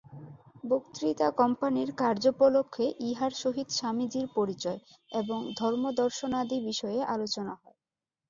বক্তৃতা- কোম্পানীর কার্যোপলক্ষে ইঁহার সহিত স্বামীজীর পরিচয় এবং ধর্মদর্শনাদি বিষয়ে আলোচনা হয়।